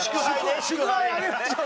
「祝杯挙げましょう！」